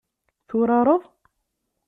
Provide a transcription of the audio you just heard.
Turareḍ?